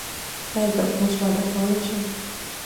ایا زه اوس واده کولی شم؟